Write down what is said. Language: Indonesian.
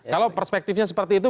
kalau perspektifnya seperti itu